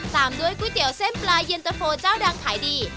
ตามด้วยก๋วยเตี๋ยวเส้นปลาเย็นตะโฟเจ้าดังขายดี